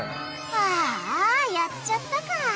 ああやっちゃったか！